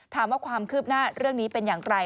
ถามว่าความคืบหน้าเรื่องนี้เป็นอย่างไร